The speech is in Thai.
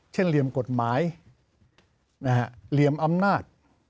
เหลี่ยมกฎหมายเหลี่ยมอำนาจ